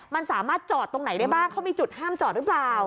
มันสามารถจอดตรงไหนได้บ้างเขามีจุดห้ามจอดหรือเปล่า